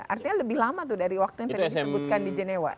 artinya lebih lama tuh dari waktu yang tadi disebutkan di genewa